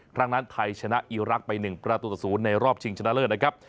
ครั้งนั้นไทยชนะอีรักษ์ไป๑ประตูต่อ๐ในรอบชิงชนะเลิศนะครับ